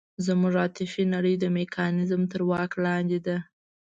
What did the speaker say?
زموږ عاطفي نړۍ د میکانیزم تر واک لاندې ده.